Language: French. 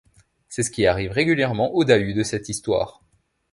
C'est ce qui arrive régulièrement au dahu de cette histoire.